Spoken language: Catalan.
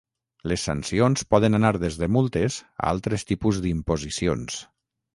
Les sancions poden anar des de multes a altres tipus d'imposicions.